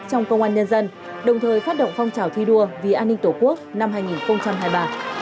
trong công an nhân dân đồng thời phát động phong trào thi đua vì an ninh tổ quốc năm hai nghìn hai mươi ba